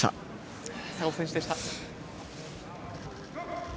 佐合選手でした。